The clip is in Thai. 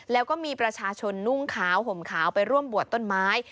แล้วก็มีประชาชนนุ่งขาวห่มขาวไปร่วมบวชต้นไม้